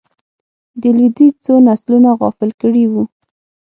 د لوېدیځ څو نسلونه غافل کړي وو.